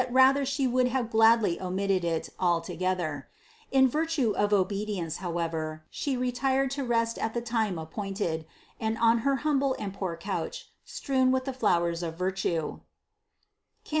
352), yet She would have gladly omitted it altogether ; in virtue of obedience however, She retired to rest at the time appointed, and on her humble and poor couch, strewn with the flowers of virtue (Cant.